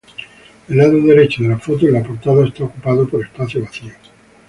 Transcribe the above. El lado derecho de la foto en la portada está ocupado por espacio vacío.